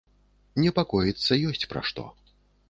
Непакоіцца ёсць пра што.